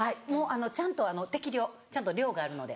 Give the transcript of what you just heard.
ちゃんと適量ちゃんと量があるので。